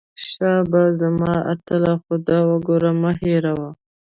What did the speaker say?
شابه زما اتله خو دا ګوره مه هېروه.